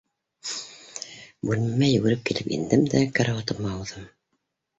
Бүлмәмә йүгереп килеп индем дә, карауатыма ауҙым.